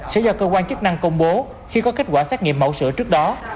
sẽ do cơ quan chức năng công bố khi có kết quả xét nghiệm mẫu sửa trước đó